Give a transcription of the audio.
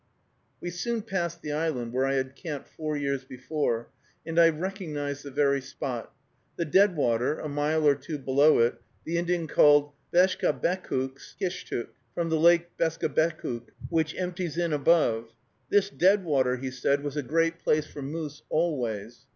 We soon passed the island where I had camped four years before, and I recognized the very spot. The deadwater, a mile or two below it, the Indian called Beskabekukskishtuk, from the lake Beskabekuk, which empties in above. This deadwater, he said, was "a great place for moose always."